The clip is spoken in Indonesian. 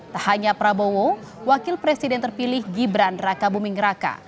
tak hanya prabowo wakil presiden terpilih gibran raka buming raka